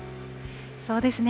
そうですね。